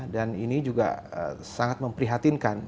dan ini juga sangat memprihatinkan